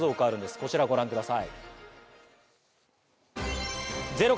こちらご覧ください。